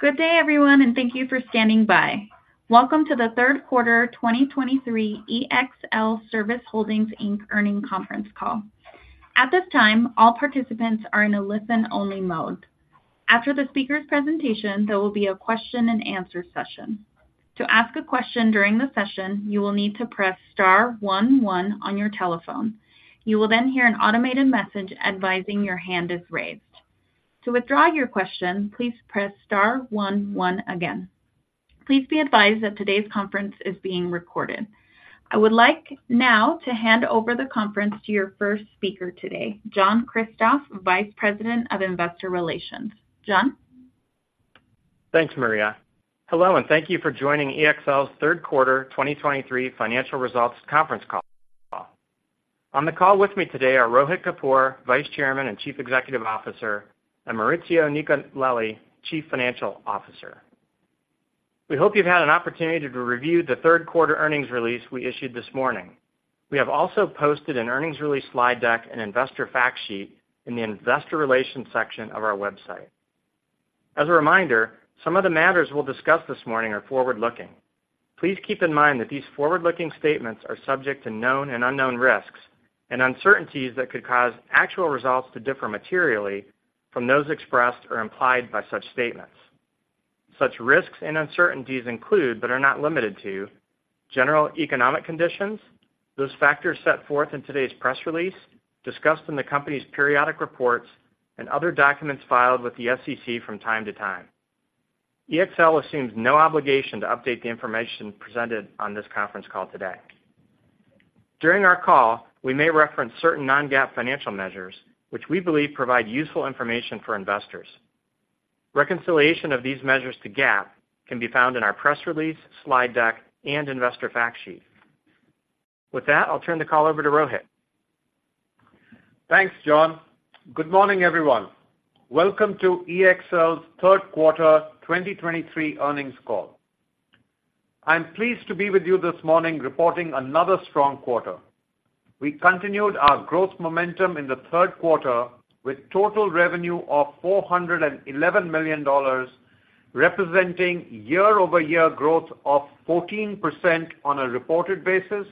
Good day, everyone, and thank you for standing by. Welcome to the third quarter 2023 ExlService Holdings, Inc. Earnings Conference Call. At this time, all participants are in a listen-only mode. After the speaker's presentation, there will be a question-and-answer session. To ask a question during the session, you will need to press star one one on your telephone. You will then hear an automated message advising your hand is raised. To withdraw your question, please press star one one again. Please be advised that today's conference is being recorded. I would like now to hand over the conference to your first speaker today, John Kristoff, Vice President of Investor Relations. John? Thanks, Maria. Hello, and thank you for joining EXL's third quarter 2023 financial results conference call. On the call with me today are Rohit Kapoor, Vice Chairman and Chief Executive Officer, and Maurizio Nicolelli, Chief Financial Officer. We hope you've had an opportunity to review the third quarter earnings release we issued this morning. We have also posted an earnings release slide deck and investor fact sheet in the investor relations section of our website. As a reminder, some of the matters we'll discuss this morning are forward-looking. Please keep in mind that these forward-looking statements are subject to known and unknown risks and uncertainties that could cause actual results to differ materially from those expressed or implied by such statements. Such risks and uncertainties include, but are not limited to general economic conditions, those factors set forth in today's press release, discussed in the company's periodic reports, and other documents filed with the SEC from time to time. EXL assumes no obligation to update the information presented on this conference call today. During our call, we may reference certain non-GAAP financial measures, which we believe provide useful information for investors. Reconciliation of these measures to GAAP can be found in our press release, slide deck, and investor fact sheet. With that, I'll turn the call over to Rohit. Thanks, John. Good morning, everyone. Welcome to EXL's third quarter 2023 earnings call. I'm pleased to be with you this morning, reporting another strong quarter. We continued our growth momentum in the third quarter with total revenue of $411 million, representing year-over-year growth of 14% on a reported basis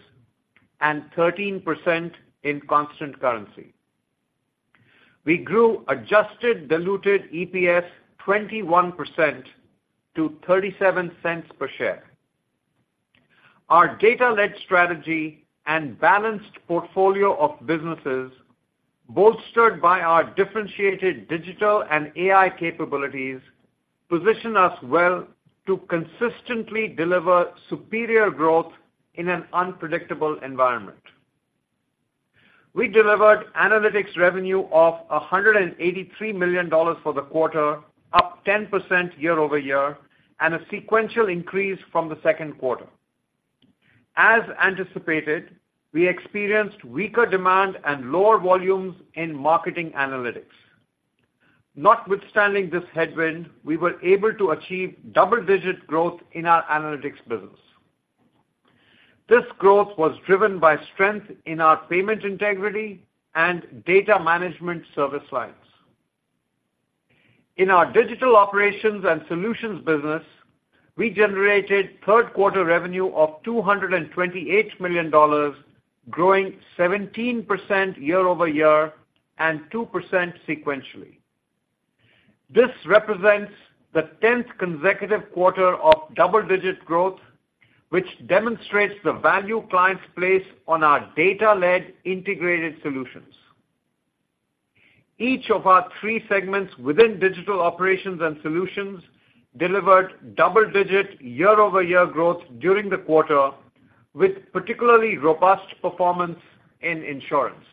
and 13% in constant currency. We grew adjusted diluted EPS 21% to $0.37 per share. Our data-led strategy and balanced portfolio of businesses, bolstered by our differentiated digital and AI capabilities, position us well to consistently deliver superior growth in an unpredictable environment. We delivered Analytics revenue of $183 million for the quarter, up 10% year over year, and a sequential increase from the second quarter. As anticipated, we experienced weaker demand and lower volumes in Marketing Analytics. Notwithstanding this headwind, we were able to achieve double-digit growth in our Analytics business. This growth was driven by strength in our Payment Integrity and Data Management service lines. In our Digital Operations and Solutions business, we generated third quarter revenue of $228 million, growing 17% year-over-year and 2% sequentially. This represents the 10th consecutive quarter of double-digit growth, which demonstrates the value clients place on our data-led integrated solutions. Each of our three segments within Digital Operations and Solutions delivered double-digit year-over-year growth during the quarter, with particularly robust performance in Insurance.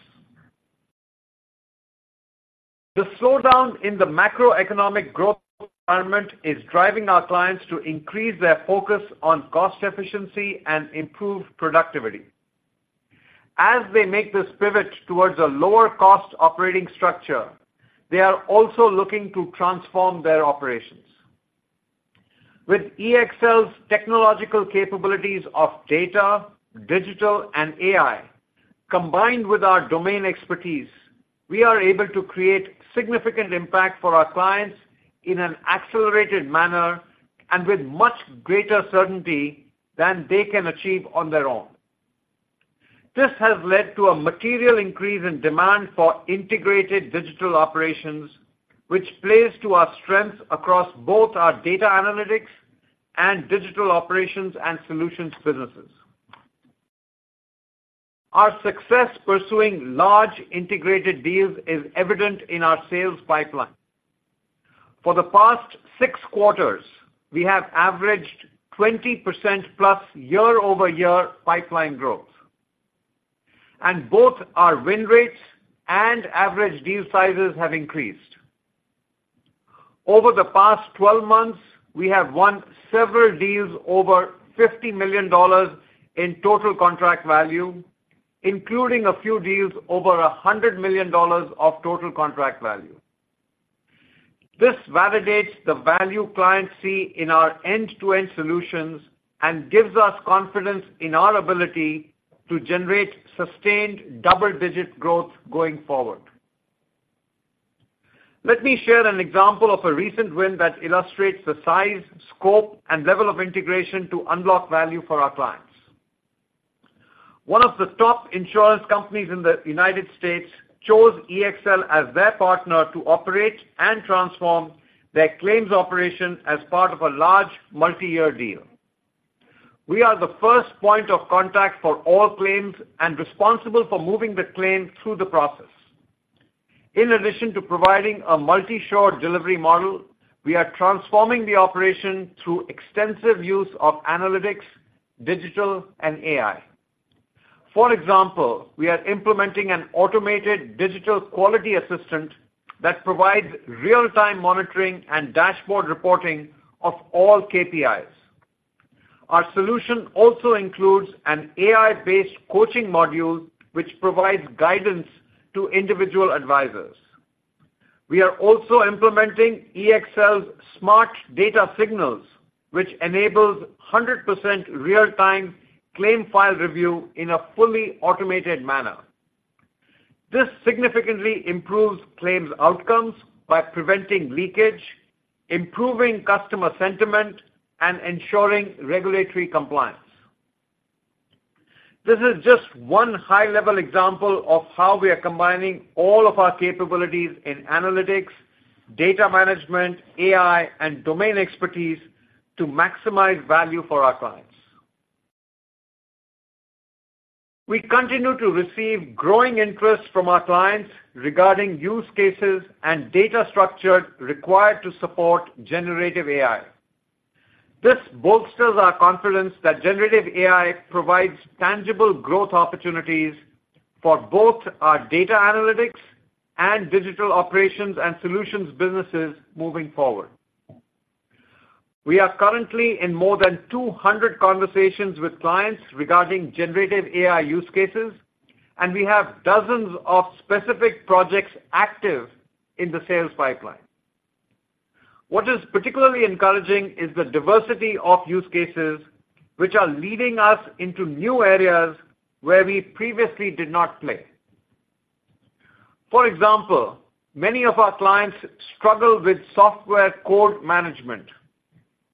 The slowdown in the macroeconomic growth environment is driving our clients to increase their focus on cost efficiency and improve productivity. As they make this pivot towards a lower cost operating structure, they are also looking to transform their operations. With EXL's technological capabilities of data, digital, and AI, combined with our domain expertise, we are able to create significant impact for our clients in an accelerated manner and with much greater certainty than they can achieve on their own. This has led to a material increase in demand for integrated digital operations, which plays to our strength across both our Data Analytics and Digital Operations and Solutions businesses. Our success pursuing large integrated deals is evident in our sales pipeline. For the past six quarters, we have averaged +20% year-over-year pipeline growth, and both our win rates and average deal sizes have increased. Over the past 12 months, we have won several deals over $50 million in total contract value, including a few deals over $100 million of total contract value. This validates the value clients see in our end-to-end solutions and gives us confidence in our ability to generate sustained double-digit growth going forward. Let me share an example of a recent win that illustrates the size, scope, and level of integration to unlock value for our clients. One of the top insurance companies in the United States chose EXL as their partner to operate and transform their claims operation as part of a large multi-year deal. We are the first point of contact for all claims and responsible for moving the claim through the process. In addition to providing a multi-shore delivery model, we are transforming the operation through extensive use of analytics, digital, and AI. For example, we are implementing an automated Digital Quality Assistant that provides real-time monitoring and dashboard reporting of all KPIs. Our solution also includes an AI-based coaching module, which provides guidance to individual advisors. We are also implementing EXL's Smart Data Signals, which enables 100% real-time claim file review in a fully automated manner. This significantly improves claims outcomes by preventing leakage, improving customer sentiment, and ensuring regulatory compliance. This is just one high-level example of how we are combining all of our capabilities in analytics, data management, AI, and domain expertise to maximize value for our clients. We continue to receive growing interest from our clients regarding use cases and data structure required to support generative AI. This bolsters our confidence that generative AI provides tangible growth opportunities for both our Data Analytics and Digital Operations and Solutions businesses moving forward. We are currently in more than 200 conversations with clients regarding generative AI use cases, and we have dozens of specific projects active in the sales pipeline. What is particularly encouraging is the diversity of use cases, which are leading us into new areas where we previously did not play. For example, many of our clients struggle with software code management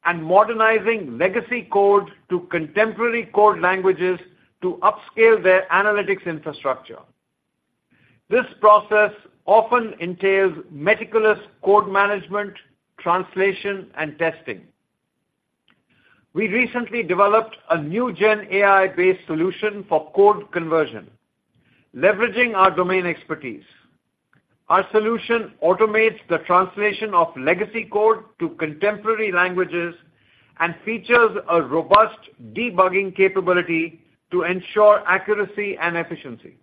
and modernizing legacy code to contemporary code languages to upscale their analytics infrastructure. This process often entails meticulous code management, translation, and testing. We recently developed a new GenAI-based solution for code conversion, leveraging our domain expertise. Our solution automates the translation of legacy code to contemporary languages and features a robust debugging capability to ensure accuracy and efficiency.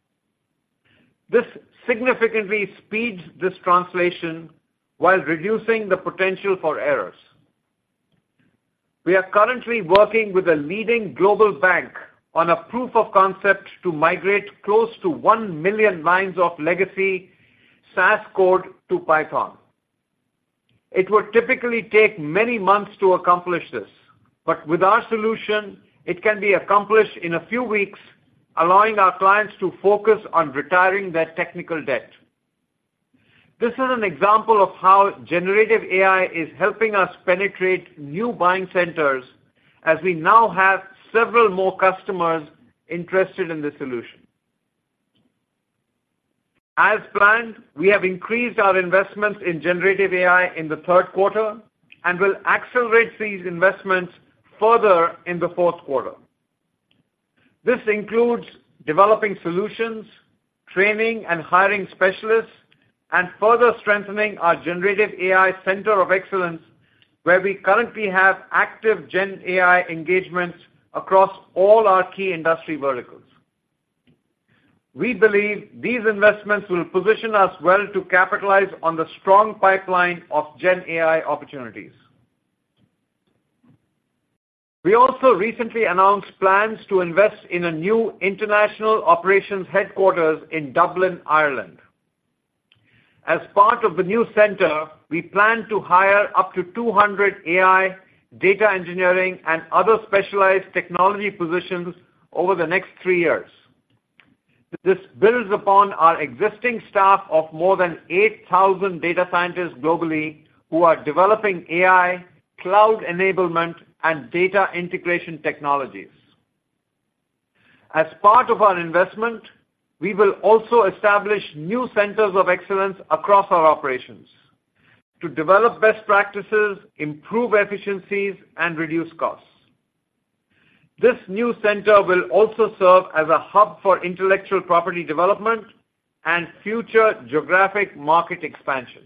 This significantly speeds this translation while reducing the potential for errors. We are currently working with a leading global bank on a proof of concept to migrate close to 1 million lines of legacy SAS code to Python. It would typically take many months to accomplish this, but with our solution, it can be accomplished in a few weeks, allowing our clients to focus on retiring their technical debt. This is an example of how generative AI is helping us penetrate new buying centers as we now have several more customers interested in this solution. As planned, we have increased our investments in generative AI in the third quarter and will accelerate these investments further in the fourth quarter. This includes developing solutions, training and hiring specialists, and further strengthening our generative AI center of excellence, where we currently have active GenAI engagements across all our key industry verticals. We believe these investments will position us well to capitalize on the strong pipeline of GenAI opportunities. We also recently announced plans to invest in a new international operations headquarters in Dublin, Ireland. As part of the new center, we plan to hire up to 200 AI, data engineering, and other specialized technology positions over the next 3 years. This builds upon our existing staff of more than 8,000 data scientists globally, who are developing AI, cloud enablement, and data integration technologies. As part of our investment, we will also establish new centers of excellence across our operations to develop best practices, improve efficiencies, and reduce costs. This new center will also serve as a hub for intellectual property development and future geographic market expansion.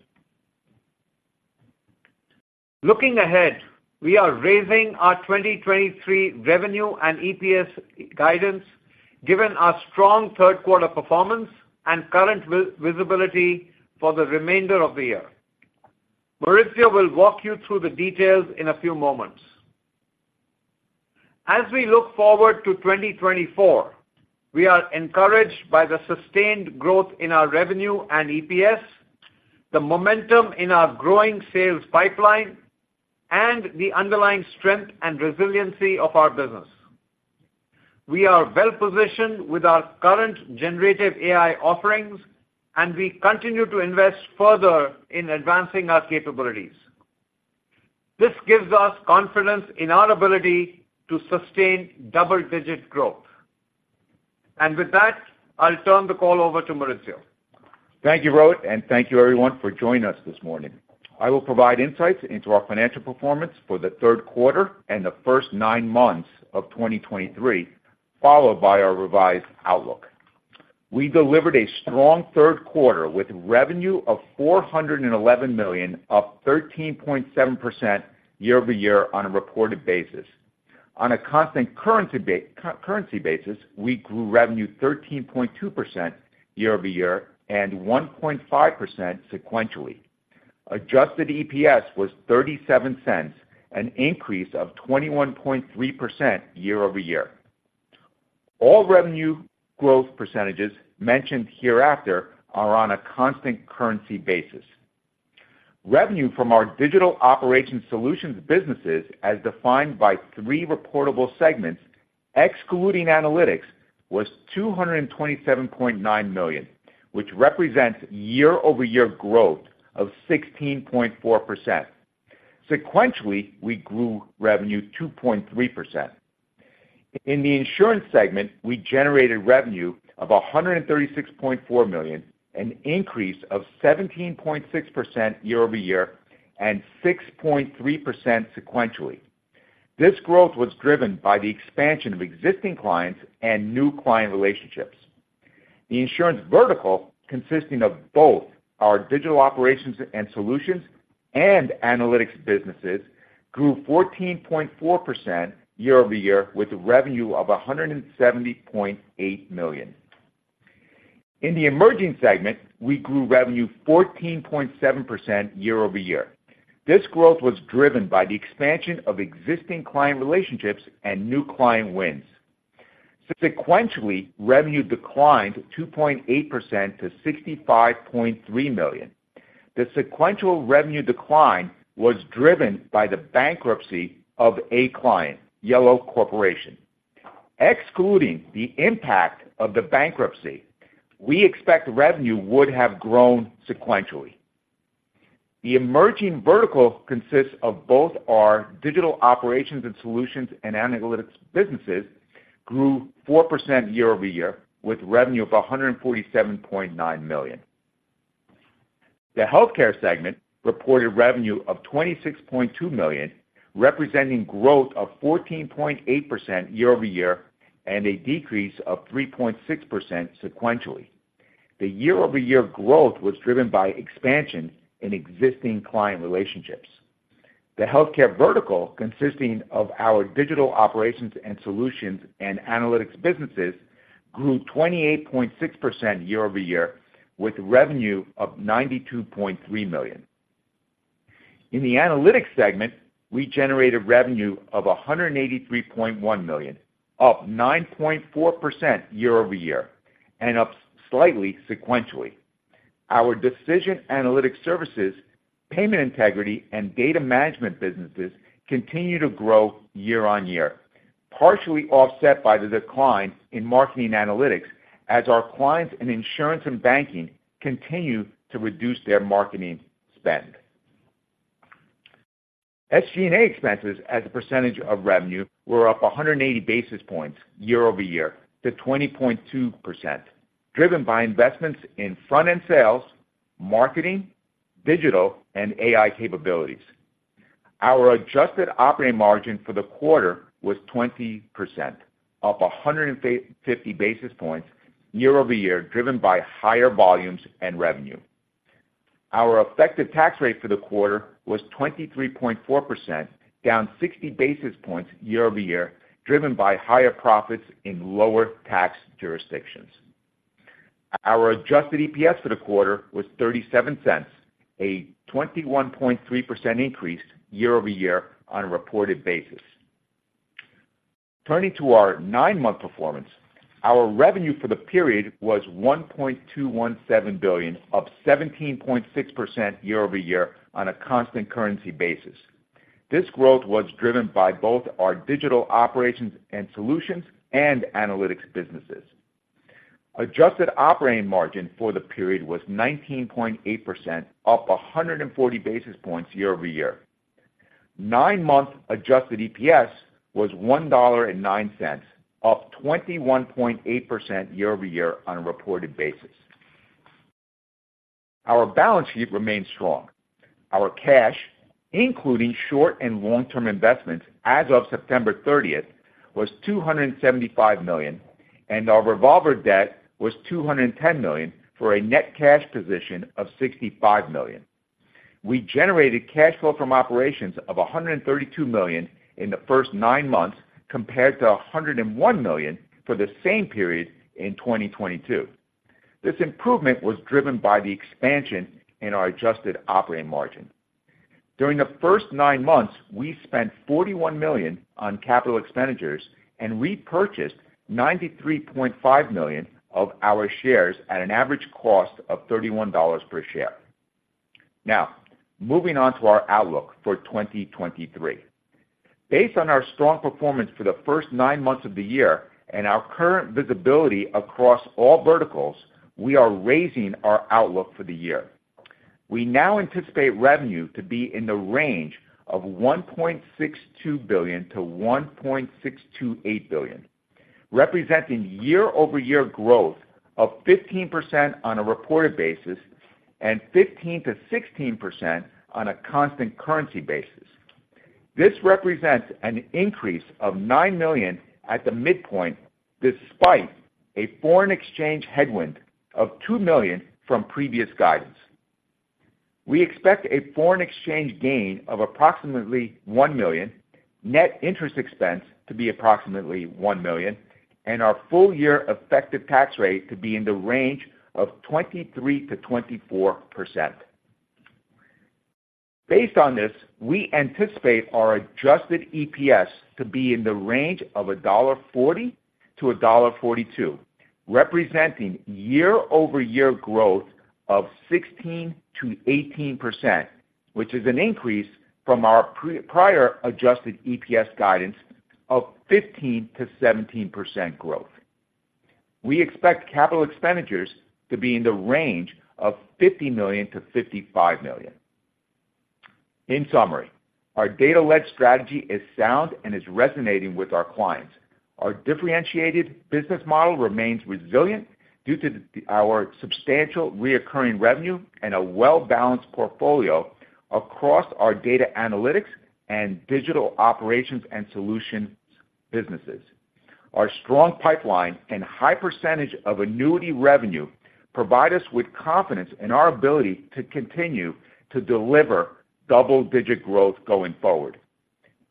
Looking ahead, we are raising our 2023 revenue and EPS guidance, given our strong third quarter performance and current visibility for the remainder of the year. Maurizio will walk you through the details in a few moments. As we look forward to 2024, we are encouraged by the sustained growth in our revenue and EPS, the momentum in our growing sales pipeline, and the underlying strength and resiliency of our business.... We are well positioned with our current generative AI offerings, and we continue to invest further in advancing our capabilities. This gives us confidence in our ability to sustain double-digit growth. And with that, I'll turn the call over to Maurizio. Thank you, Rohit, and thank you everyone for joining us this morning. I will provide insights into our financial performance for the third quarter and the first 9 months of 2023, followed by our revised outlook. We delivered a strong third quarter with revenue of $411 million, up 13.7% year-over-year on a reported basis. On a constant currency basis, we grew revenue 13.2% year-over-year and 1.5% sequentially. Adjusted EPS was $0.37, an increase of 21.3% year-over-year. All revenue growth percentages mentioned hereafter are on a constant currency basis. Revenue from our Digital Operations and Solutions businesses, as defined by three reportable segments, excluding Analytics, was $227.9 million, which represents year-over-year growth of 16.4%. Sequentially, we grew revenue 2.3%. In the Insurance segment, we generated revenue of $136.4 million, an increase of 17.6% year-over-year and 6.3% sequentially. This growth was driven by the expansion of existing clients and new client relationships. The Insurance vertical, consisting of both our Digital Operations and Solutions and Analytics businesses, grew 14.4% year-over-year, with revenue of $170.8 million. In the Emerging segment, we grew revenue 14.7% year-over-year. This growth was driven by the expansion of existing client relationships and new client wins. Sequentially, revenue declined 2.8% to $65.3 million. The sequential revenue decline was driven by the bankruptcy of a client, Yellow Corporation. Excluding the impact of the bankruptcy, we expect revenue would have grown sequentially. The Emerging vertical consists of both our Digital Operations and Solutions and Analytics businesses, grew 4% year-over-year, with revenue of $147.9 million. The Healthcare segment reported revenue of $26.2 million, representing growth of 14.8% year-over-year and a decrease of 3.6% sequentially. The year-over-year growth was driven by expansion in existing client relationships. The Healthcare vertical, consisting of our Digital Operations and Solutions and Analytics businesses, grew 28.6% year-over-year, with revenue of $92.3 million. In the Analytics segment, we generated revenue of $183.1 million, up 9.4% year-over-year and up slightly sequentially. Our Decision Analytics services, Payment Integrity, and Data Management businesses continue to grow year-over-year, partially offset by the decline in Marketing Analytics as our clients in Insurance and Banking continue to reduce their marketing spend. SG&A expenses as a percentage of revenue were up 180 basis points year-over-year to 20.2%, driven by investments in front-end sales, marketing, digital, and AI capabilities. Our adjusted operating margin for the quarter was 20%, up 150 basis points year-over-year, driven by higher volumes and revenue. Our effective tax rate for the quarter was 23.4%, down 60 basis points year-over-year, driven by higher profits in lower tax jurisdictions. Our adjusted EPS for the quarter was $0.37, a 21.3% increase year-over-year on a reported basis. Turning to our 9-month performance, our revenue for the period was $1.217 billion, up 17.6% year-over-year on a constant currency basis. This growth was driven by both our Digital Operations and Solutions and Analytics businesses. Adjusted operating margin for the period was 19.8%, up 140 basis points year-over-year. 9-month adjusted EPS was $1.09, up 21.8% year-over-year on a reported basis. Our balance sheet remains strong. Our cash, including short and long-term investments as of September 30th, was $275 million, and our revolver debt was $210 million, for a net cash position of $65 million. We generated cash flow from operations of $132 million in the first 9 months, compared to $101 million for the same period in 2022. This improvement was driven by the expansion in our adjusted operating margin. During the first 9 months, we spent $41 million on capital expenditures and repurchased 93.5 million of our shares at an average cost of $31 per share. Now, moving on to our outlook for 2023. Based on our strong performance for the first 9 months of the year and our current visibility across all verticals, we are raising our outlook for the year. We now anticipate revenue to be in the range of $1.62 billion-$1.628 billion, representing year-over-year growth of 15% on a reported basis and 15%-16% on a constant currency basis. This represents an increase of $9 million at the midpoint, despite a foreign exchange headwind of $2 million from previous guidance. We expect a foreign exchange gain of approximately $1 million, net interest expense to be approximately $1 million, and our full year effective tax rate to be in the range of 23%-24%. Based on this, we anticipate our adjusted EPS to be in the range of $1.40-$1.42, representing year-over-year growth of 16%-18%, which is an increase from our pre- prior adjusted EPS guidance of 15%-17% growth. We expect capital expenditures to be in the range of $50 million-$55 million. In summary, our data-led strategy is sound and is resonating with our clients. Our differentiated business model remains resilient due to our substantial recurring revenue and a well-balanced portfolio across our Data Analytics and Digital Operations and Solutions businesses. Our strong pipeline and high percentage of annuity revenue provide us with confidence in our ability to continue to deliver double-digit growth going forward.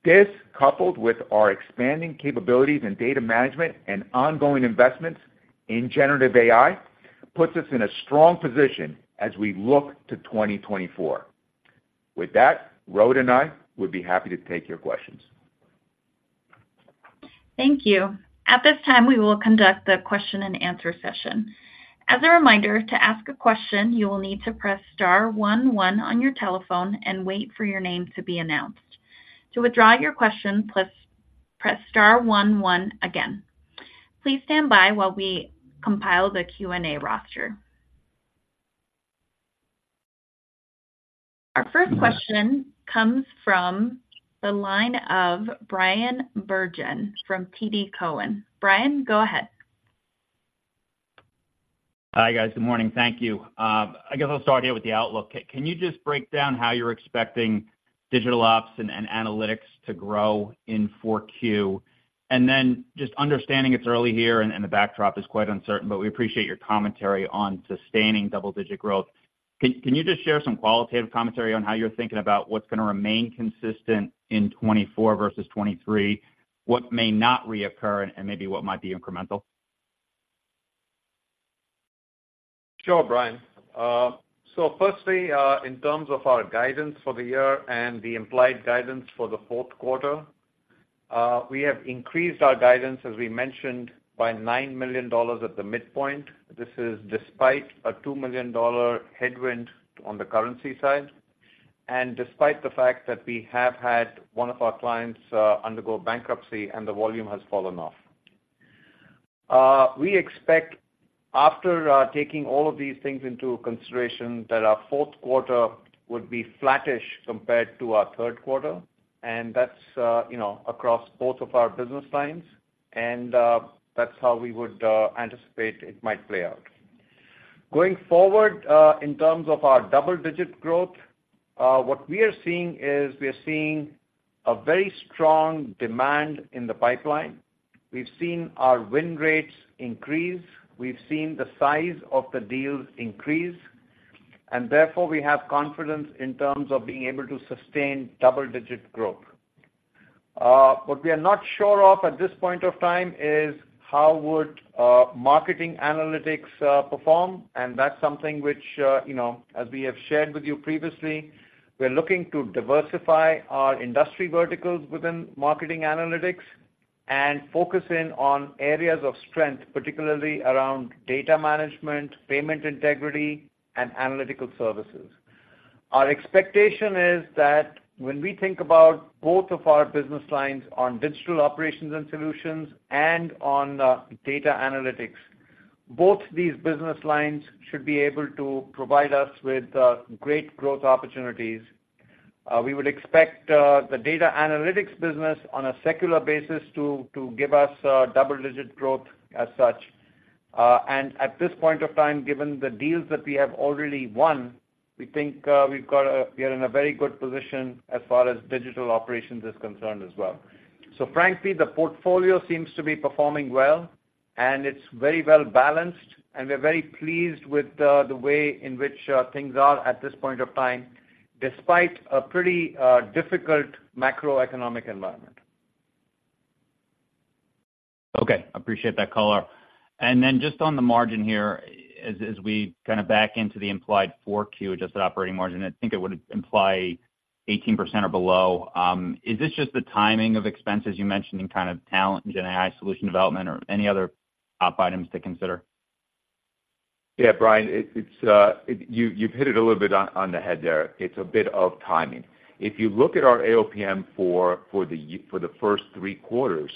This, coupled with our expanding capabilities in data management and ongoing investments in generative AI, puts us in a strong position as we look to 2024. With that, Rohit and I would be happy to take your questions. Thank you. At this time, we will conduct the question-and-answer session. As a reminder, to ask a question, you will need to press star one, one on your telephone and wait for your name to be announced. To withdraw your question, press star one, one again. Please stand by while we compile the Q&A roster. Our first question comes from the line of Bryan Bergin from TD Cowen. Bryan, go ahead. Hi, guys. Good morning. Thank you. I guess I'll start here with the outlook. Can you just break down how you're expecting Digital Ops and Analytics to grow in 4Q? And then just understanding it's early here and the backdrop is quite uncertain, but we appreciate your commentary on sustaining double-digit growth. Can you just share some qualitative commentary on how you're thinking about what's gonna remain consistent in 2024 versus 2023, what may not reoccur, and maybe what might be incremental? Sure, Bryan. So firstly, in terms of our guidance for the year and the implied guidance for the fourth quarter, we have increased our guidance, as we mentioned, by $9 million at the midpoint. This is despite a $2 million headwind on the currency side, and despite the fact that we have had one of our clients undergo bankruptcy and the volume has fallen off. We expect, after taking all of these things into consideration, that our fourth quarter would be flattish compared to our third quarter, and that's, you know, across both of our business lines, and that's how we would anticipate it might play out. Going forward, in terms of our double-digit growth, what we are seeing is, we are seeing a very strong demand in the pipeline. We've seen our win rates increase, we've seen the size of the deals increase, and therefore, we have confidence in terms of being able to sustain double-digit growth. What we are not sure of at this point of time is how would Marketing Analytics perform, and that's something which, you know, as we have shared with you previously, we're looking to diversify our industry verticals within Marketing Analytics and focus in on areas of strength, particularly around Data Management, Payment Integrity, and Analytical Services. Our expectation is that when we think about both of our business lines on Digital Operations and Solutions and on Data Analytics, both these business lines should be able to provide us with great growth opportunities. We would expect the Data Analytics business on a secular basis to give us double-digit growth as such. And at this point of time, given the deals that we have already won, we think, we've got a—we are in a very good position as far as digital operations is concerned as well. So frankly, the portfolio seems to be performing well, and it's very well balanced, and we're very pleased with the, the way in which, things are at this point of time, despite a pretty, difficult macroeconomic environment. Okay, appreciate that color. And then just on the margin here, as we kind of back into the implied 4Q adjusted operating margin, I think it would imply 18% or below. Is this just the timing of expenses you mentioned in kind of talent and GenAI solution development, or any other top items to consider? Yeah, Bryan, it's, you've hit it a little bit on the head there. It's a bit of timing. If you look at our AOPM for the first three quarters,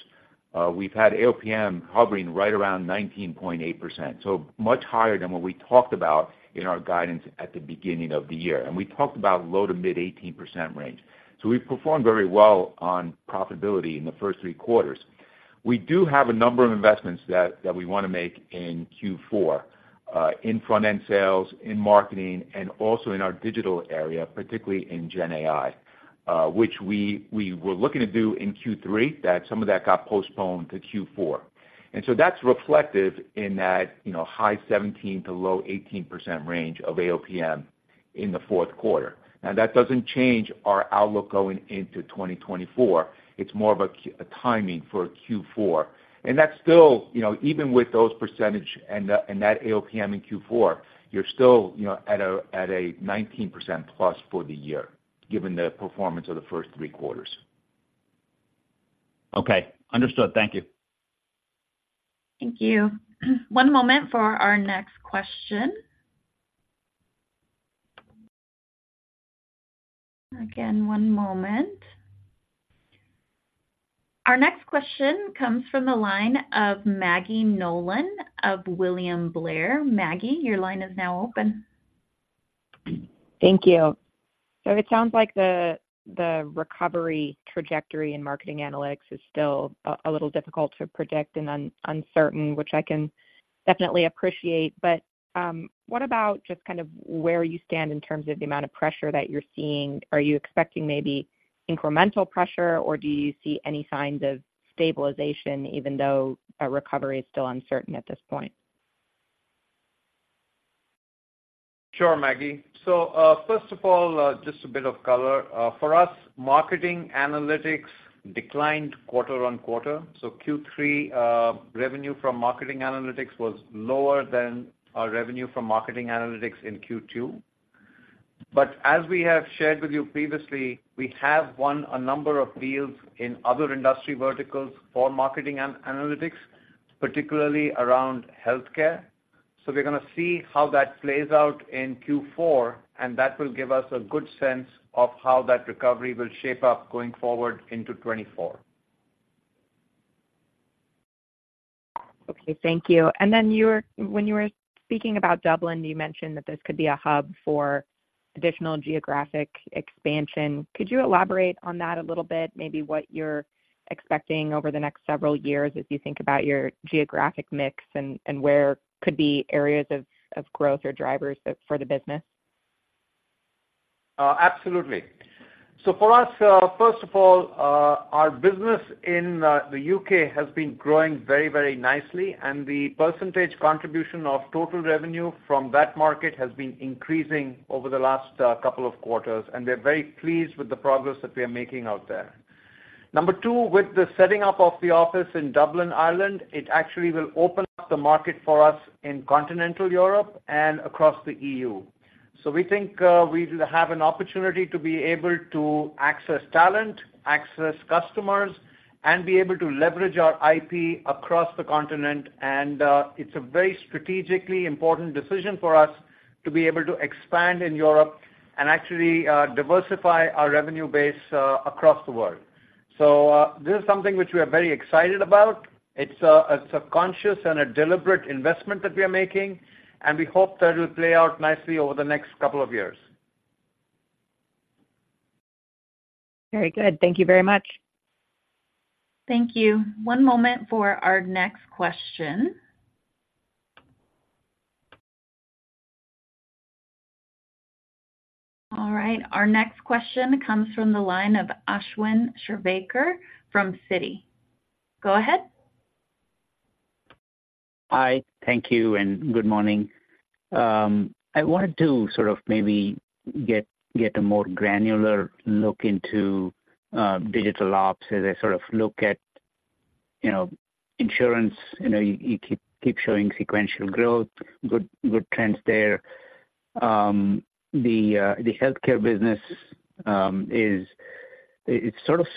we've had AOPM hovering right around 19.8%. So much higher than what we talked about in our guidance at the beginning of the year, and we talked about low-to-mid 18% range. So we've performed very well on profitability in the first three quarters. We do have a number of investments that we wanna make in Q4, in front-end sales, in marketing, and also in our digital area, particularly in GenAI, which we were looking to do in Q3, that some of that got postponed to Q4. That's reflective in that, you know, high 17% to low 18% range of AOPM in the fourth quarter. Now, that doesn't change our outlook going into 2024. It's more of a timing for Q4. And that's still, you know, even with those percentage and that AOPM in Q4, you're still, you know, at a, at a +19% for the year, given the performance of the first three quarters. Okay, understood. Thank you. Thank you. One moment for our next question. Again, one moment. Our next question comes from the line of Maggie Nolan of William Blair. Maggie, your line is now open. Thank you. So it sounds like the recovery trajectory in Marketing Analytics is still a little difficult to predict and uncertain, which I can definitely appreciate. But, what about just kind of where you stand in terms of the amount of pressure that you're seeing? Are you expecting maybe incremental pressure, or do you see any signs of stabilization, even though a recovery is still uncertain at this point? Sure, Maggie. So, first of all, just a bit of color. For us, Marketing Analytics declined quarter on quarter. So Q3, revenue from Marketing Analytics was lower than our revenue from Marketing Analytics in Q2. But as we have shared with you previously, we have won a number of deals in other industry verticals for Marketing Analytics, particularly around Healthcare. So we're gonna see how that plays out in Q4, and that will give us a good sense of how that recovery will shape up going forward into 2024. Okay, thank you. And then when you were speaking about Dublin, you mentioned that this could be a hub for additional geographic expansion. Could you elaborate on that a little bit? Maybe what you're expecting over the next several years as you think about your geographic mix and where could be areas of growth or drivers for the business? Absolutely. So for us, first of all, our business in the U.K. has been growing very, very nicely, and the percentage contribution of total revenue from that market has been increasing over the last couple of quarters, and we're very pleased with the progress that we are making out there. Number two, with the setting up of the office in Dublin, Ireland, it actually will open up the market for us in continental Europe and across the EU. So we think we have an opportunity to be able to access talent, access customers, and be able to leverage our IP across the continent, and it's a very strategically important decision for us to be able to expand in Europe and actually diversify our revenue base across the world. So this is something which we are very excited about. It's a subconscious and a deliberate investment that we are making, and we hope that it'll play out nicely over the next couple of years. Very good. Thank you very much. Thank you. One moment for our next question. All right, our next question comes from the line of Ashwin Shirvaikar from Citi. Go ahead. Hi, thank you and good morning. I wanted to sort of maybe get, get a more granular look into, Digital Ops as I sort of look at, you know, Insurance. You know, you, you keep, keep showing sequential growth, good, good trends there. The, the Healthcare business, is... It, it's sort of,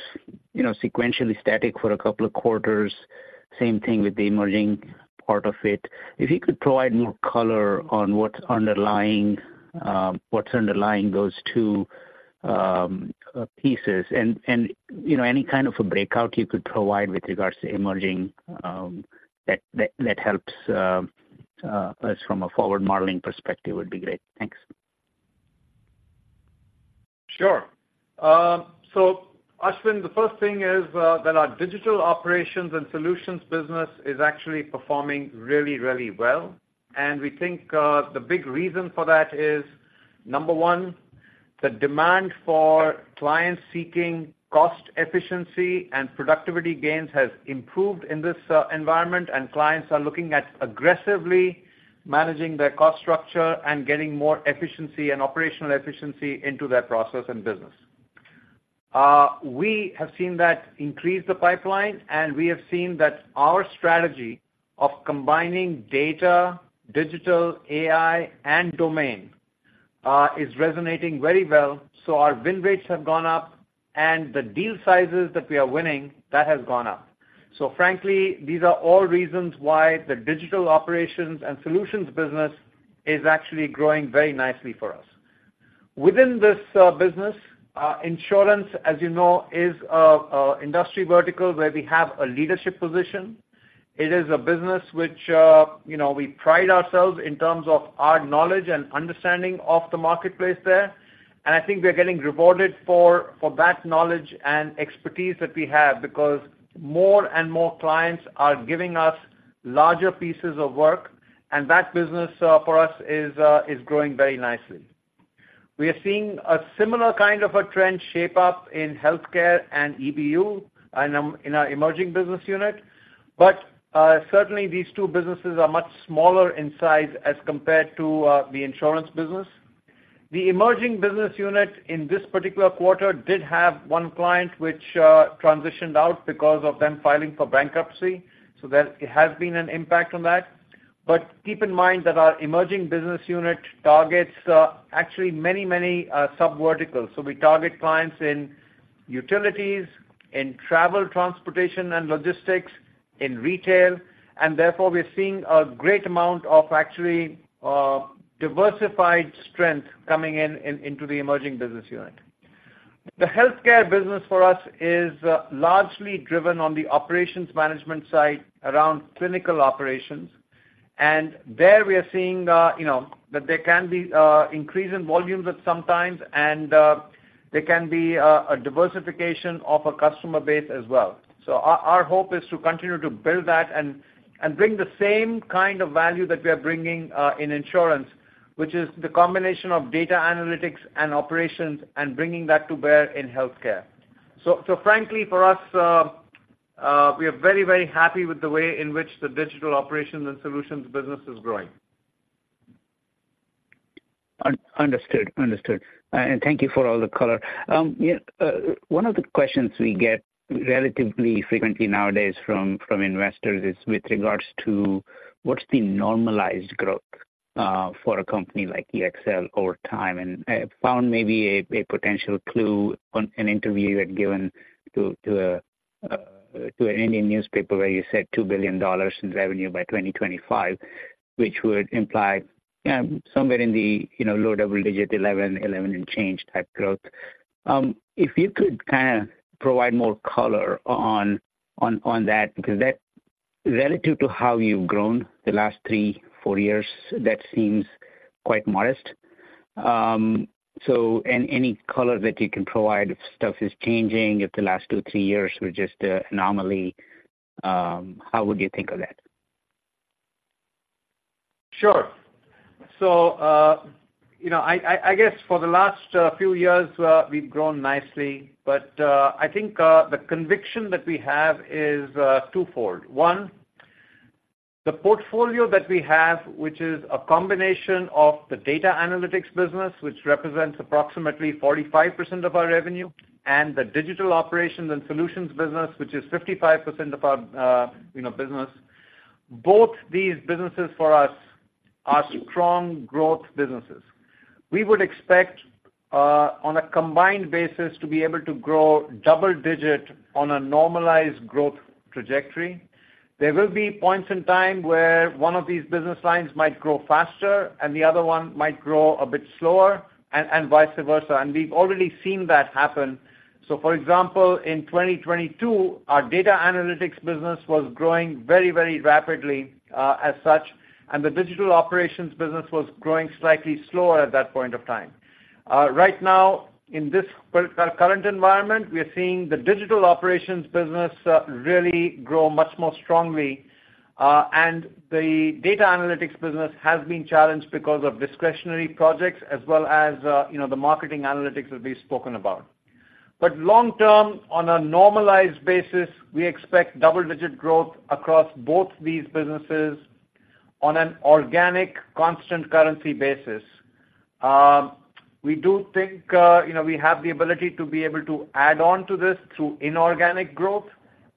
you know, sequentially static for a couple of quarters. Same thing with the emerging part of it. If you could provide more color on what's underlying, what's underlying those two, pieces, and, and, you know, any kind of a breakout you could provide with regards to Emerging, that, that, that helps, us from a forward modeling perspective would be great. Thanks. Sure. So Ashwin, the first thing is that our Digital Operations and Solutions business is actually performing really, really well, and we think the big reason for that is, number one, the demand for clients seeking cost efficiency and productivity gains has improved in this environment, and clients are looking at aggressively managing their cost structure and getting more efficiency and operational efficiency into their process and business. We have seen that increase the pipeline, and we have seen that our strategy of combining data, digital, AI, and domain is resonating very well, so our win rates have gone up, and the deal sizes that we are winning, that has gone up. So frankly, these are all reasons why the Digital Operations and Solutions business is actually growing very nicely for us. Within this business, Insurance, as you know, is an industry vertical where we have a leadership position. It is a business which, you know, we pride ourselves in terms of our knowledge and understanding of the marketplace there. I think we are getting rewarded for that knowledge and expertise that we have, because more and more clients are giving us larger pieces of work, and that business for us is growing very nicely. We are seeing a similar kind of trend shape up in Healthcare and EBU, and in our Emerging Business Unit. Certainly these two businesses are much smaller in size as compared to the Insurance business. The Emerging Business Unit in this particular quarter did have one client which transitioned out because of them filing for bankruptcy, so that it has been an impact on that. But keep in mind that our Emerging Business Unit targets actually many, many subverticals. So we target clients in utilities, in travel, transportation, and logistics, in retail, and therefore, we are seeing a great amount of actually diversified strength coming into the Emerging Business Unit. The Healthcare business for us is largely driven on the operations management side around clinical operations. And there we are seeing, you know, that there can be increase in volumes at sometimes, and there can be a diversification of a customer base as well. So our hope is to continue to build that and bring the same kind of value that we are bringing in Insurance, which is the combination of Data Analytics and Operations and bringing that to bear in Healthcare. So frankly, for us, we are very, very happy with the way in which the Digital Operations and Solutions business is growing. Understood. Thank you for all the color. Yeah, one of the questions we get relatively frequently nowadays from investors is with regards to what's the normalized growth for a company like EXL over time? And I found maybe a potential clue in an interview you had given to an Indian newspaper, where you said $2 billion in revenue by 2025, which would imply somewhere in the, you know, low double-digit, 11, 11 and change type growth. If you could kind of provide more color on that, because that, relative to how you've grown the last 3, 4 years, that seems quite modest. So, any color that you can provide, if stuff is changing, if the last 2, 3 years were just an anomaly, how would you think of that? Sure. So, you know, I guess for the last few years, we've grown nicely, but, I think, the conviction that we have is twofold. One, the portfolio that we have, which is a combination of the Data Analytics business, which represents approximately 45% of our revenue, and the Digital Operations and Solutions business, which is 55% of our, you know, business. Both these businesses for us are strong growth businesses. We would expect, on a combined basis, to be able to grow double digit on a normalized growth trajectory. There will be points in time where one of these business lines might grow faster, and the other one might grow a bit slower, and vice versa, and we've already seen that happen. So for example, in 2022, our Data Analytics business was growing very, very rapidly, as such, and the digital operations business was growing slightly slower at that point of time. Right now, in this current environment, we are seeing the digital operations business really grow much more strongly, and the Data Analytics business has been challenged because of discretionary projects, as well as, you know, the Marketing Analytics that we've spoken about. But long term, on a normalized basis, we expect double-digit growth across both these businesses on an organic, constant currency basis. We do think, you know, we have the ability to be able to add on to this through inorganic growth,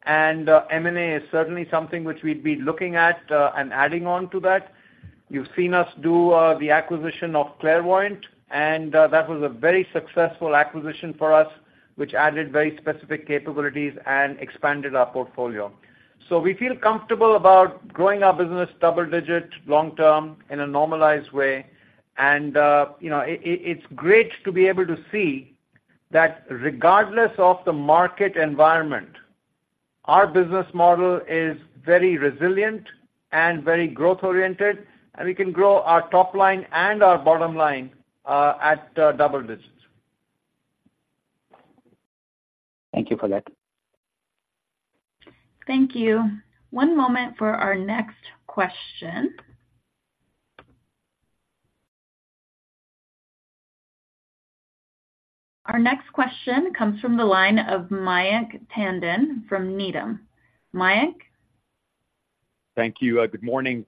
and M&A is certainly something which we'd be looking at, and adding on to that. You've seen us do the acquisition of Clairvoyant, and that was a very successful acquisition for us, which added very specific capabilities and expanded our portfolio. So we feel comfortable about growing our business double digit, long term, in a normalized way. And you know, it's great to be able to see that regardless of the market environment, our business model is very resilient and very growth oriented, and we can grow our top line and our bottom line at double digits. Thank you for that. Thank you. One moment for our next question. Our next question comes from the line of Mayank Tandon from Needham. Mayank? Thank you. Good morning.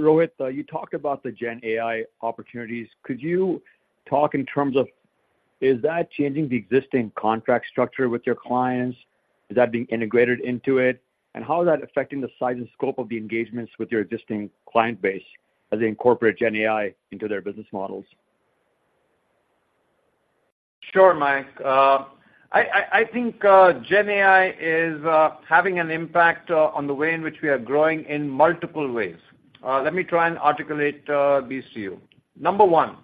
Rohit, you talked about the GenAI opportunities. Could you talk in terms of-... Is that changing the existing contract structure with your clients? Is that being integrated into it? And how is that affecting the size and scope of the engagements with your existing client base as they incorporate GenAI into their business models? Sure, Mayank. I think GenAI is having an impact on the way in which we are growing in multiple ways. Let me try and articulate these to you. Number one,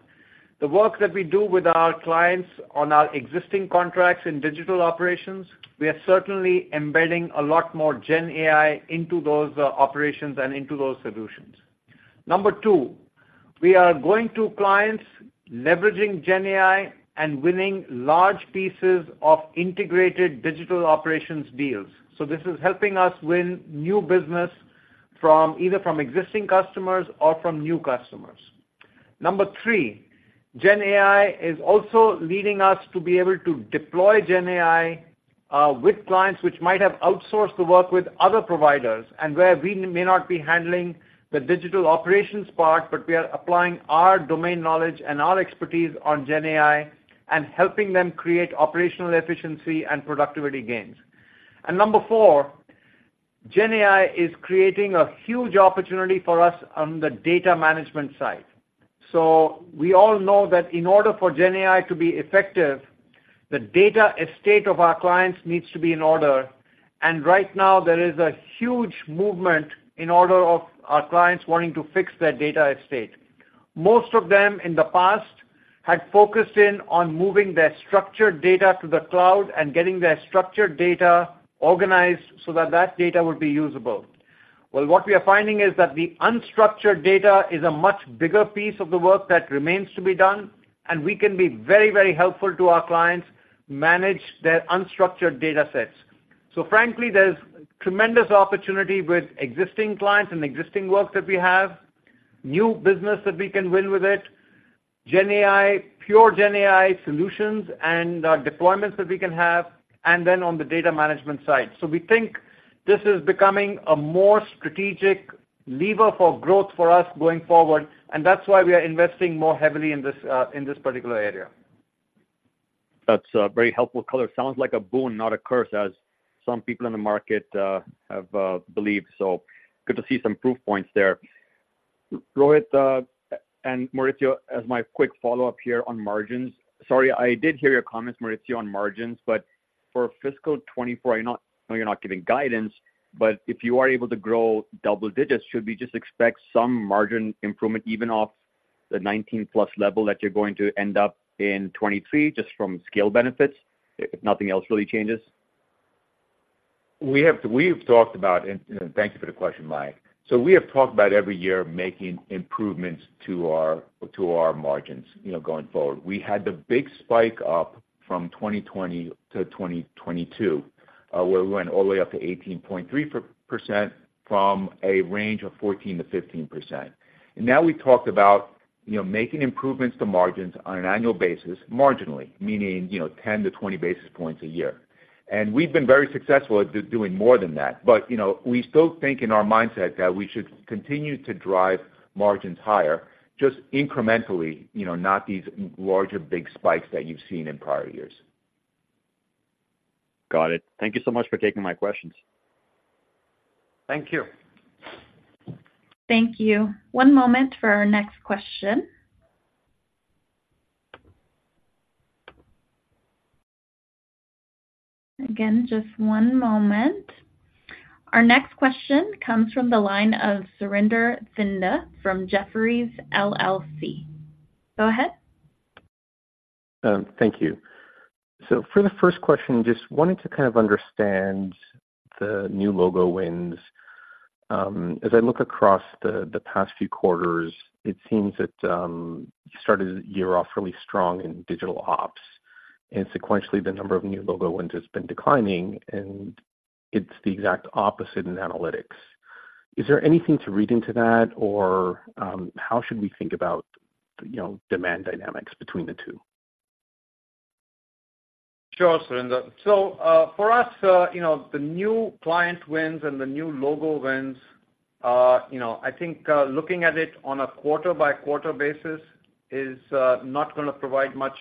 the work that we do with our clients on our existing contracts in digital operations, we are certainly embedding a lot more GenAI into those operations and into those solutions. Number two, we are going to clients leveraging GenAI and winning large pieces of integrated digital operations deals. So this is helping us win new business from either from existing customers or from new customers. Number three, GenAI is also leading us to be able to deploy GenAI with clients which might have outsourced the work with other providers, and where we may not be handling the digital operations part, but we are applying our domain knowledge and our expertise on GenAI, and helping them create operational efficiency and productivity gains. Number four, GenAI is creating a huge opportunity for us on the data management side. So we all know that in order for GenAI to be effective, the data estate of our clients needs to be in order, and right now there is a huge movement in order of our clients wanting to fix their data estate. Most of them, in the past, had focused in on moving their structured data to the cloud and getting their structured data organized so that that data would be usable. Well, what we are finding is that the unstructured data is a much bigger piece of the work that remains to be done, and we can be very, very helpful to our clients, manage their unstructured data sets. So frankly, there's tremendous opportunity with existing clients and existing work that we have, new business that we can win with it, GenAI, pure GenAI solutions and, deployments that we can have, and then on the data management side. So we think this is becoming a more strategic lever for growth for us going forward, and that's why we are investing more heavily in this, in this particular area. That's very helpful color. Sounds like a boon, not a curse, as some people in the market have believed. So good to see some proof points there. Rohit and Maurizio, as my quick follow-up here on margins. Sorry, I did hear your comments, Maurizio, on margins, but for fiscal 2024, I know, I know you're not giving guidance, but if you are able to grow double digits, should we just expect some margin improvement, even off the +19 level that you're going to end up in 2023, just from scale benefits, if nothing else really changes? We have. We've talked about, and thank you for the question, Mike. So we have talked about every year making improvements to our, to our margins, you know, going forward. We had the big spike up from 2020-2022, where we went all the way up to 18.3% from a range of 14%-15%. And now we talked about, you know, making improvements to margins on an annual basis, marginally, meaning, you know, 10-20 basis points a year. And we've been very successful at doing more than that. But, you know, we still think in our mindset that we should continue to drive margins higher, just incrementally, you know, not these larger, big spikes that you've seen in prior years. Got it. Thank you so much for taking my questions. Thank you. Thank you. One moment for our next question. Again, just one moment. Our next question comes from the line of Surinder Thind from Jefferies LLC. Go ahead. Thank you. So for the first question, just wanted to kind of understand the new logo wins. As I look across the past few quarters, it seems that you started the year off really strong in Digital Ops, and sequentially, the number of new logo wins has been declining, and it's the exact opposite in Analytics. Is there anything to read into that, or how should we think about, you know, demand dynamics between the two? Sure, Surinder. So, for us, you know, the new client wins and the new logo wins, you know, I think, looking at it on a quarter-by-quarter basis is not gonna provide much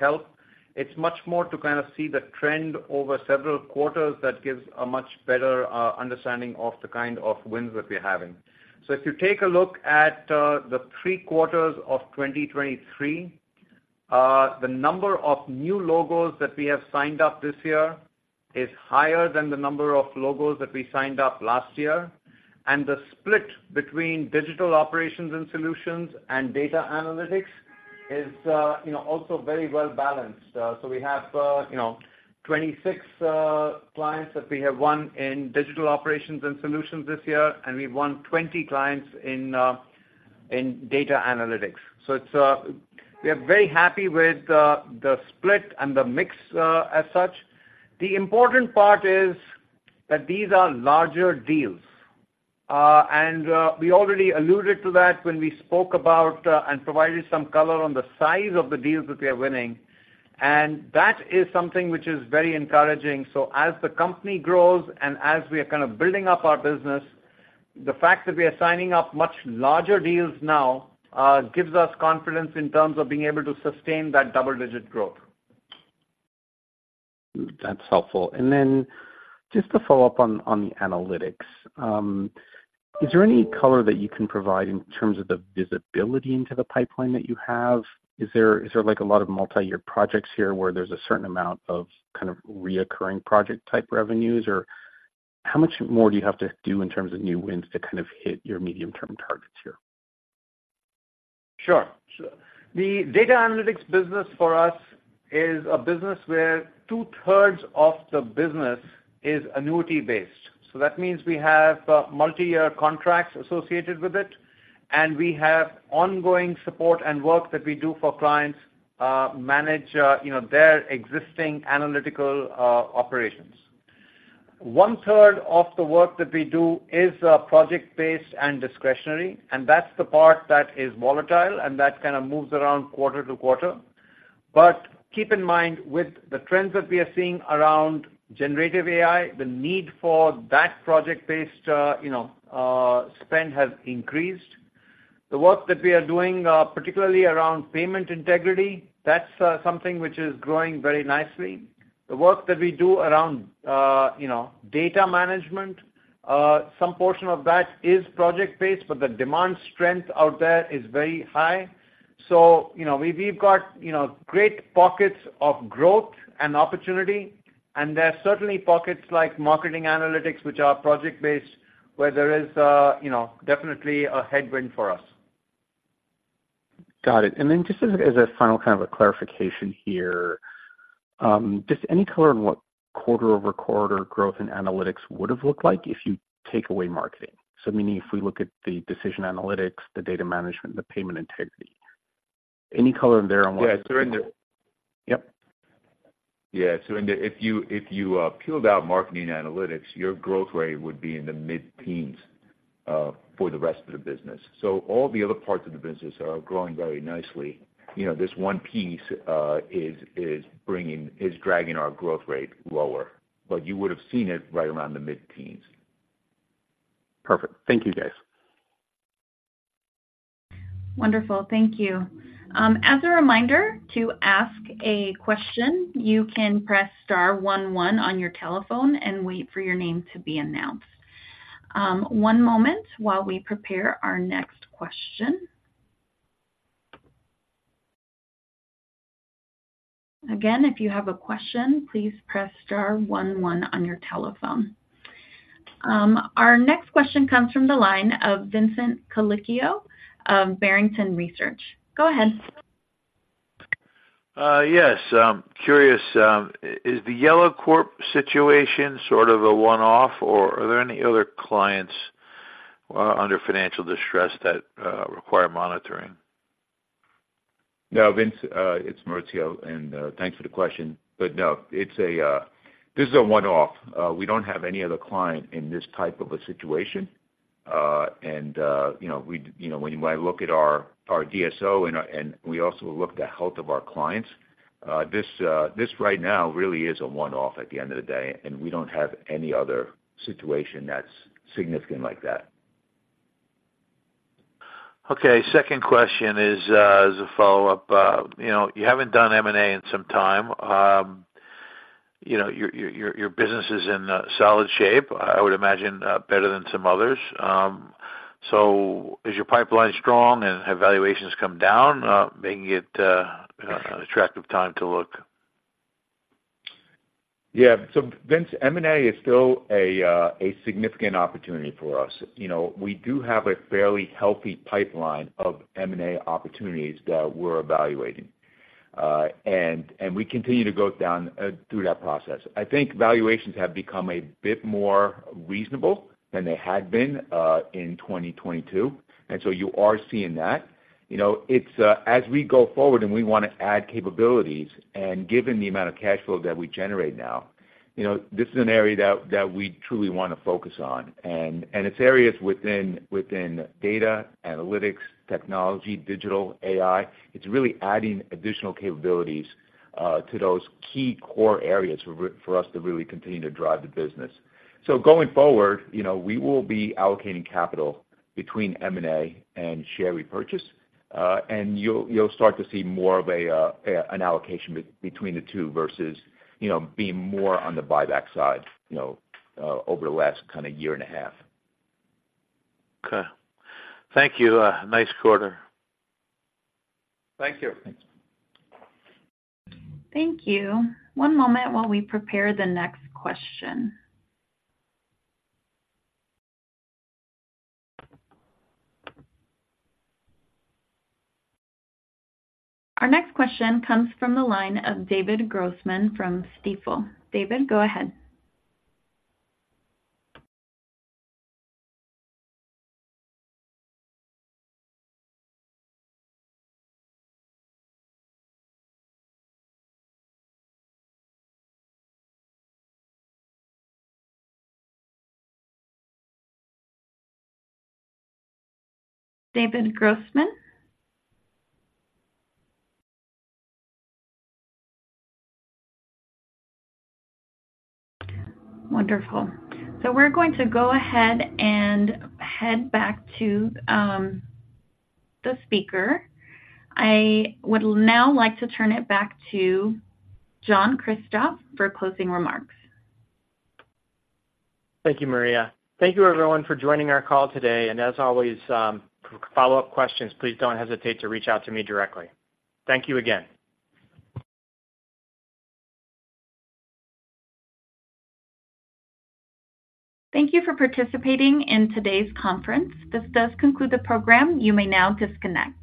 help. It's much more to kind of see the trend over several quarters that gives a much better understanding of the kind of wins that we're having. So if you take a look at the three quarters of 2023, the number of new logos that we have signed up this year is higher than the number of logos that we signed up last year. And the split between Digital Operations and Solutions and Data Analytics is, you know, also very well balanced. So we have, you know, 26 clients that we have won in Digital Operations and Solutions this year, and we've won 20 clients in Data Analytics. So it's... We are very happy with the split and the mix as such. The important part is that these are larger deals. And we already alluded to that when we spoke about and provided some color on the size of the deals that we are winning, and that is something which is very encouraging. So as the company grows and as we are kind of building up our business... The fact that we are signing up much larger deals now gives us confidence in terms of being able to sustain that double-digit growth. That's helpful. And then just to follow up on the Analytics, is there any color that you can provide in terms of the visibility into the pipeline that you have? Is there, like, a lot of multi-year projects here where there's a certain amount of kind of recurring project type revenues? Or how much more do you have to do in terms of new wins to kind of hit your medium-term targets here? Sure. So the Data Analytics business for us is a business where two-thirds of the business is annuity-based. So that means we have, multi-year contracts associated with it, and we have ongoing support and work that we do for clients, manage, you know, their existing analytical, operations. One-third of the work that we do is, project-based and discretionary, and that's the part that is volatile, and that kind of moves around quarter to quarter. But keep in mind, with the trends that we are seeing around generative AI, the need for that project-based, you know, spend has increased. The work that we are doing, particularly around Payment Integrity, that's, something which is growing very nicely. The work that we do around, you know, data management, some portion of that is project-based, but the demand strength out there is very high. So, you know, we've got, you know, great pockets of growth and opportunity, and there are certainly pockets like Marketing Analytics, which are project-based, where there is, you know, definitely a headwind for us. Got it. And then just as a final kind of a clarification here, just any color on what quarter-over-quarter growth in Analytics would have looked like if you take away marketing? So meaning, if we look at the Decision Analytics, the Data Management, and the Payment Integrity. Any color in there on what- Yeah, Surinder- Yep. Yeah, so if you peeled out Marketing Analytics, your growth rate would be in the mid-teens for the rest of the business. So all the other parts of the business are growing very nicely. You know, this one piece is dragging our growth rate lower, but you would have seen it right around the mid-teens. Perfect. Thank you, guys. Wonderful. Thank you. As a reminder to ask a question, you can press star one one on your telephone and wait for your name to be announced. One moment while we prepare our next question. Again, if you have a question, please press star one one on your telephone. Our next question comes from the line of Vincent Colicchio of Barrington Research. Go ahead. Yes, curious, is the Yellow Corp situation sort of a one-off, or are there any other clients under financial distress that require monitoring? No, Vince, it's Maurizio, and thanks for the question. But no, it's a, this is a one-off. We don't have any other client in this type of a situation. And you know, we, you know, when I look at our DSO and we also look at the health of our clients, this right now really is a one-off at the end of the day, and we don't have any other situation that's significant like that. Okay. Second question is, as a follow-up. You know, you haven't done M&A in some time. You know, your business is in solid shape, I would imagine, better than some others. So is your pipeline strong, and have valuations come down, making it an attractive time to look? Yeah. So Vince, M&A is still a significant opportunity for us. You know, we do have a fairly healthy pipeline of M&A opportunities that we're evaluating. And we continue to go down through that process. I think valuations have become a bit more reasonable than they had been in 2022, and so you are seeing that. You know, it's as we go forward and we want to add capabilities, and given the amount of cash flow that we generate now, you know, this is an area that we truly want to focus on. And it's areas within data, analytics, technology, digital, AI. It's really adding additional capabilities to those key core areas for us to really continue to drive the business. So going forward, you know, we will be allocating capital between M&A and share repurchase, and you'll start to see more of an allocation between the two versus, you know, being more on the buyback side, you know, over the last kind of year and a half. Okay. Thank you. Nice quarter. Thank you. Thanks. Thank you. One moment while we prepare the next question. Our next question comes from the line of David Grossman from Stifel. David, go ahead. David Grossman? Wonderful. So we're going to go ahead and head back to the speaker. I would now like to turn it back to John Kristoff for closing remarks. Thank you, Maria. Thank you everyone for joining our call today. And as always, for follow-up questions, please don't hesitate to reach out to me directly. Thank you again. Thank you for participating in today's conference. This does conclude the program. You may now disconnect.